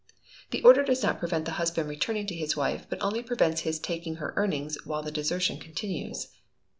The order does not prevent the Husband returning to his Wife, but only prevents his taking her earnings while the desertion eontinues.